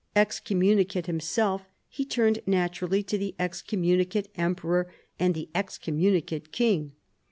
Excommunicate himself, he turned naturally to the excommunicate emperor and the excommunicate king.